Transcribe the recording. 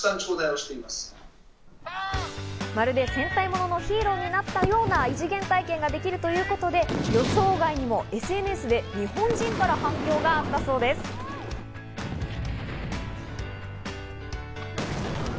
まるで戦隊モノのヒーローになったような異次元体験ができるということで、予想外にもＳＮＳで日本人から反響があったそうです。